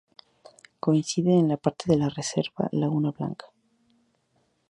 Coincide en parte con la Reserva Laguna Blanca.